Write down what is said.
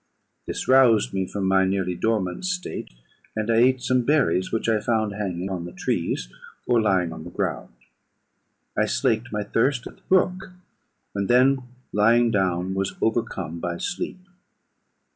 This roused me from my nearly dormant state, and I ate some berries which I found hanging on the trees, or lying on the ground. I slaked my thirst at the brook; and then lying down, was overcome by sleep.